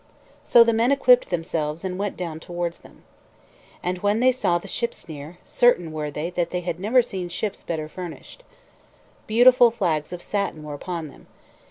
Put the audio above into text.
So the men equipped themselves, and went down towards them. And when they saw the ships near, certain were they that they had never seen ships better furnished. Beautiful flags of satin were upon them.